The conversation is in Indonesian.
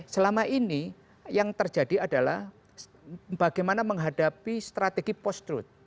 selama ini yang terjadi adalah bagaimana menghadapi strategi post truth